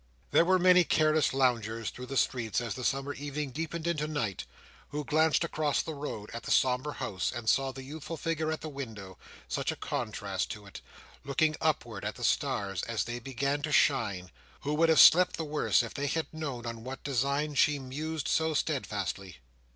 There were many careless loungers through the street, as the summer evening deepened into night, who glanced across the road at the sombre house, and saw the youthful figure at the window, such a contrast to it, looking upward at the stars as they began to shine, who would have slept the worse if they had known on what design she mused so steadfastly.